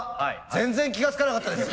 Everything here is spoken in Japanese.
全然気が付かなかったです。